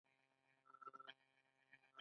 دا کار په تصوري توګه او خلاق تخیل کوو.